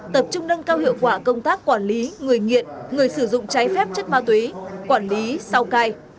tập trung nâng cao hiệu quả công tác quản lý người nghiện người sử dụng trái phép chất ma túy quản lý sao cai